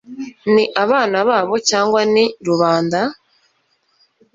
Ni abana babo cyangwa ni rubanda ?»